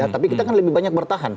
tapi kita kan lebih banyak bertahan